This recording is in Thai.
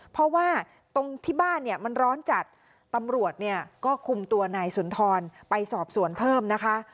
เพราะว่าตรงที่บ้านเนี่ยมันร้อนจัดตำรวจเนี่ยก็คุมตัวนายสุนทรไปสอบสวนเพิ่มนะคะ